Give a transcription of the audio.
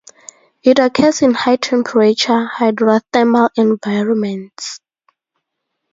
It occurs in high temperature, hydrothermal environments.